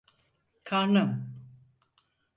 Karnım!